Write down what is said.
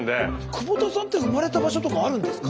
久保田さんって生まれた場所とかあるんですか？